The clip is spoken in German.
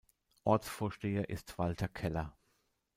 Ortsvorsteher ist Walter Keller.